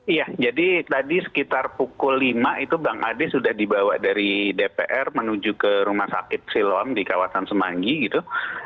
iya jadi tadi sekitar pukul lima itu bang ade sudah dibawa dari dpr menuju ke rumah sakit siloam di kawasan semanggi gitu